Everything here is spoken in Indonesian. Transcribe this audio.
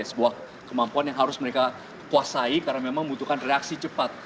sebuah kemampuan yang harus mereka kuasai karena memang membutuhkan reaksi cepat